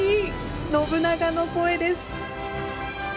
信長の声です。